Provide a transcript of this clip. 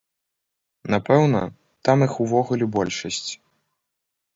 Напэўна, там іх увогуле большасць.